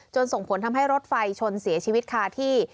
ส่งผลทำให้รถไฟชนเสียชีวิตคาที่